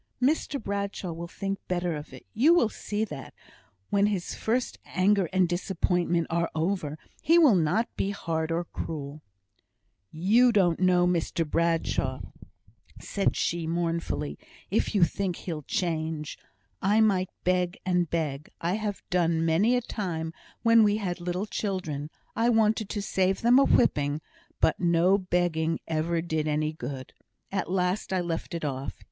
"Mr Bradshaw will think better of it. You will see that, when his first anger and disappointment are over, he will not be hard or cruel." "You don't know Mr Bradshaw," said she, mournfully, "if you think he'll change. I might beg and beg I have done many a time, when we had little children, and I wanted to save them a whipping but no begging ever did any good. At last I left it off.